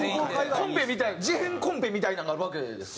コンペみたい事変コンペみたいなのがあるわけですか？